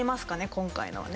今回のはね。